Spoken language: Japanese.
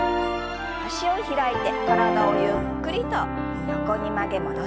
脚を開いて体をゆっくりと横に曲げ戻しましょう。